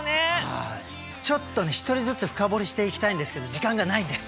ちょっとね１人ずつ深掘りしていきたいんですけど時間がないんです。